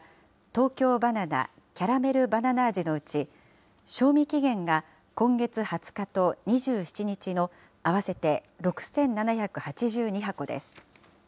東京ばな奈キャラメルバナナ味のうち、賞味期限が今月２０日と２７日の合わせて６７８２箱です。